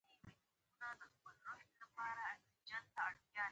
ونې زموږ مسؤلیت دي.